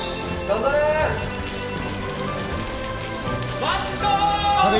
頑張れ！